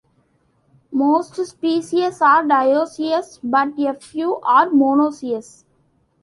Most species are dioecious, but a few are monoecious.